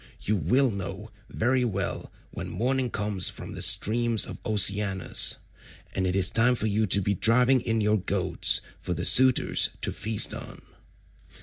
You will know very well when morning comes from the streams of Oceanus, and it is time for you to be driving in your goats for the suitors to feast on."